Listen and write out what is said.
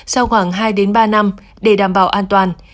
sau khoảng hai ba năm để đảm bảo an toàn